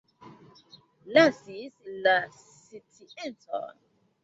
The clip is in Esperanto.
Lasis la sciencon.